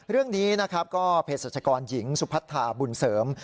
เรื่องนี้นะครับก็เพศรัชกรหญิงสุพัทธาบุญเสริม